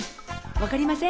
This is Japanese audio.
分かりません？